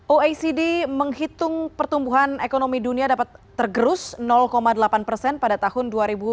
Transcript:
oecd menghitung pertumbuhan ekonomi dunia dapat tergerus delapan persen pada tahun dua ribu dua puluh